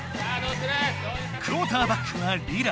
クオーターバックはリラ。